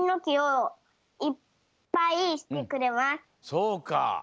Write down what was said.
そうか。